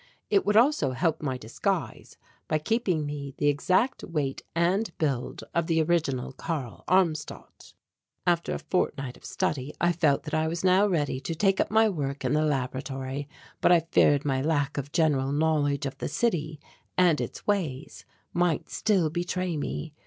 It would also help my disguise by keeping me the exact weight and build of the original Karl Armstadt. After a fortnight of study, I felt that I was now ready to take up my work in the laboratory, but I feared my lack of general knowledge of the city and its ways might still betray me.